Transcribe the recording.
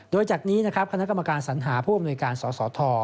โดยจากนี้นะครับคณะกรรมการสัญหาผู้อำนวยการสสท